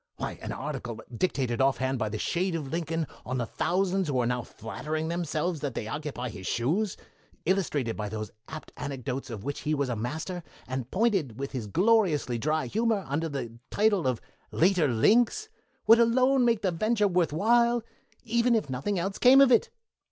Why, an article dictated off hand by the shade of Lincoln on the thousands who are now flattering themselves that they occupy his shoes, illustrated with those apt anecdotes of which he was a master, and pointed with his gloriously dry humor, under the title of 'Later Links', would alone make the venture worth while, even if nothing else came of it."